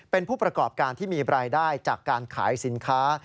เป็นผู้ประกอบการที่มีรายได้จากการขายสินค้า